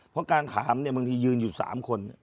เพราะการถามเนี่ยบางทียืนอยู่๓คน